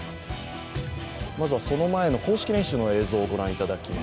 まずは、その前の公式練習の様子をご覧いただきます。